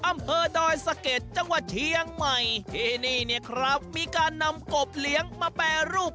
อำเภอดอยสะเก็ดจังหวัดเชียงใหม่ที่นี่เนี่ยครับมีการนำกบเลี้ยงมาแปรรูป